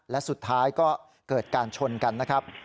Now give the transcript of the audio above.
และสุดท้ายก็เกิดการชนกันนะครับ